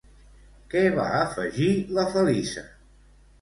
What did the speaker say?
Què va afegir la Feliça?